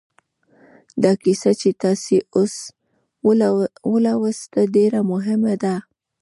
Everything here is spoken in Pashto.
دا کیسه چې تاسې اوس ولوسته ډېره مهمه ده